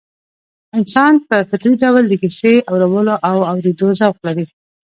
انسان په فطري ډول د کيسې اورولو او اورېدلو ذوق لري